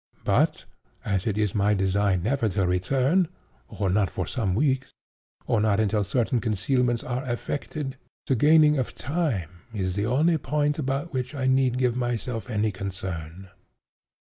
But, as it is my design never to return—or not for some weeks—or not until certain concealments are effected—the gaining of time is the only point about which I need give myself any concern.